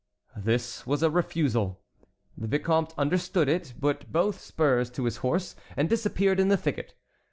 This was a refusal. The vicomte understood it, put both spurs to his horse and disappeared in the thicket.